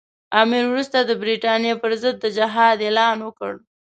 امیر وروسته د برټانیې پر ضد د جهاد اعلان وکړ.